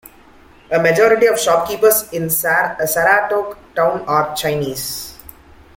A majority of the shopkeepers in Saratok town are Chinese.